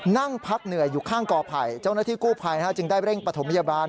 นั่งพักเหนื่อยอยู่ข้างกอไผ่เจ้าหน้าที่กู้ภัยจึงได้เร่งปฐมพยาบาล